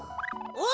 お！